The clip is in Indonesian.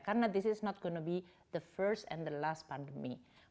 karena ini bukan akan menjadi pandemi pertama dan terakhir